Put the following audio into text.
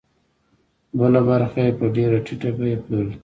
بله برخه یې په ډېره ټیټه بیه پلورل کېږي